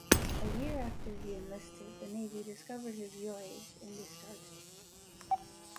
A year after he enlisted, the Navy discovered his real age and discharged him.